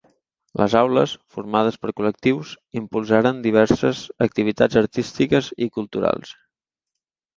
Les aules, formades per col·lectius, impulsaren diverses activitats artístiques i culturals.